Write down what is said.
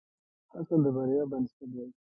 هڅه د بریا بنسټ دی.